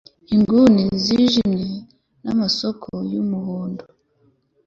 inguni zijimye n'amasoko y'umuhondo